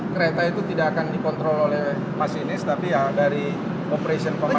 kereta itu tidak akan dikontrol oleh masinis tapi ya dari operation commerce